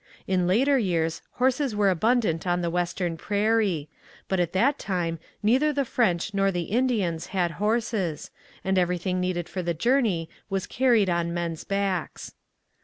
In later years horses were abundant on the western prairie, but at that time neither the French nor the Indians had horses, and everything needed for the journey was carried on men's backs.